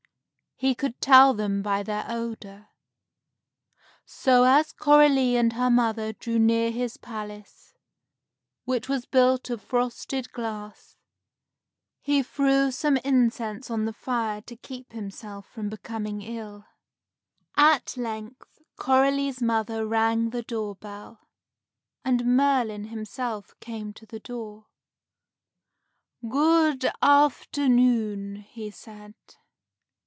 He could tell them by their odor. So as Coralie and her mother drew near his palace, which was built of frosted glass, he threw some incense on the fire to keep himself from becoming ill. At length, Coralie's mother rang the door bell, and Merlin himself came to the door. "Good afternoon," he said.